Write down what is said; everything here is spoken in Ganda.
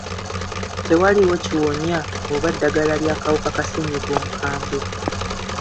Tewaliwo kiwonya oba ddagala ly'akawuka ka ssenyiga omukambwe.